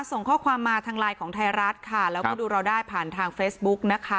ส่งข้อความมาทางไลน์ของไทยรัฐค่ะแล้วก็ดูเราได้ผ่านทางเฟซบุ๊กนะคะ